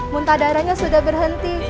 muntah darahnya sudah berhenti